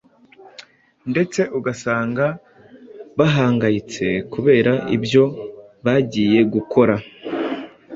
ndetse ugasanga bahangayitse kubera ibyo bagiye gukora.